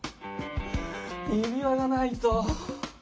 指輪がないと。